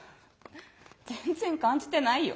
「全然感じてないよ」。